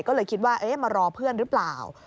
ก็เลยคิดว่ามารอเพื่อนหรือเปล่า